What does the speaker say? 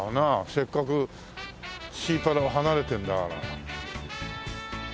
せっかくシーパラを離れてるんだから。